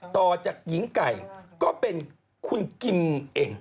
ต่อจากหญิงไก่ก็เป็นคุณกิมเอง